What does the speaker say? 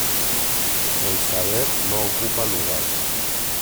El saber no ocupa lugar.